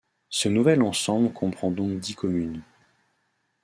Ce nouvel ensemble comprend donc dix communes.